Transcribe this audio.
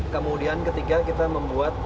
kemudian ketiga kita membuat